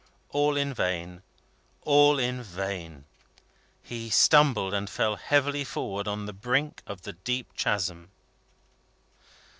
All in vain, all in vain! He stumbled, and fell heavily forward on the brink of the deep chasm.